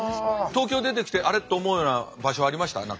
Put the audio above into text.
東京出てきて「あれ？」と思うような場所ありました？